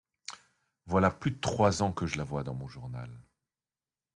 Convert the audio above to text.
Voilà plus de trois ans que je la vois dans mon journal…